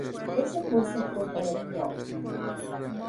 Ese curso fue para el Prof.